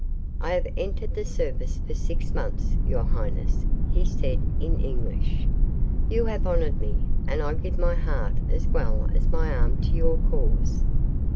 "I have entered the service for six months, your highness," he said in English. "You have honored me, and I give my heart as well as my arm to your cause."